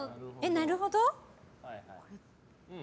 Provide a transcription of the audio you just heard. なるほど？